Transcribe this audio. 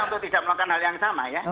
untuk tidak melakukan hal yang sama ya